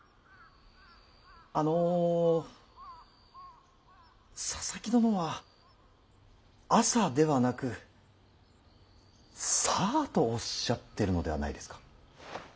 あの佐々木殿は「朝」ではなく「さあ」とおっしゃってるのではないですか。